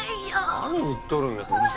何言っとるんやさ